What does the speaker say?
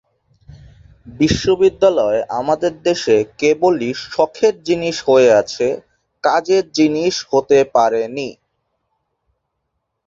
এরপর ঢাকা উচ্চ আদালতের বিচারক হিসেবে পদোন্নতি লাভ করেন।